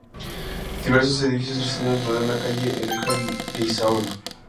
Diversos edificios reseñables rodean la calle Lehendakari Leizaola.